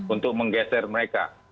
untuk menggeser mereka